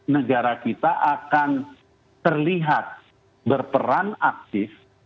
negara kita akan terlihat berperan aktif